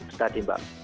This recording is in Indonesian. itu tadi mbak